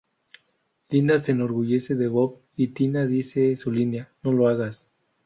Linda se enorgullece de Bob y Tina dice su línea "¡No lo hagas!